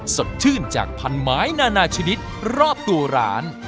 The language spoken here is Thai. สดชื่นจากพันไม้นานาชนิดรอบตัวร้าน